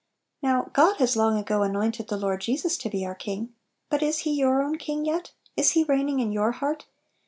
Now God has long ago anointed the Lord Jesus to be our King, but is He your own king yet? is He reigning in your heart?